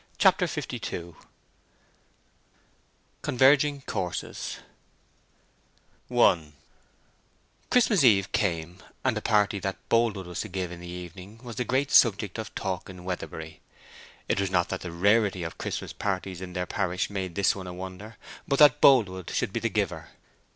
CHAPTER LII CONVERGING COURSES I Christmas eve came, and a party that Boldwood was to give in the evening was the great subject of talk in Weatherbury. It was not that the rarity of Christmas parties in the parish made this one a wonder, but that Boldwood should be the giver.